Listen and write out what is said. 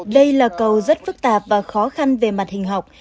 đây là cầu rất phức tạp và khó khăn về mặt hình học